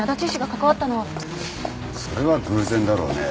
それは偶然だろうね。